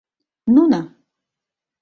Нуно.